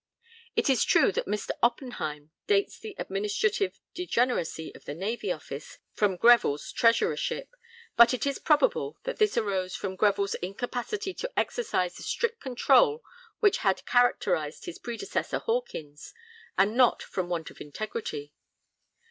It is true that Mr. Oppenheim dates the 'administrative degeneracy' of the Navy Office from Greville's treasurership, but it is probable that this arose from Greville's incapacity to exercise the strict control which had characterised his predecessor Hawkyns, and not from want of integrity.